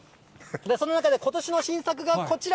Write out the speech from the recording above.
その中で、ことしの新作がこちら。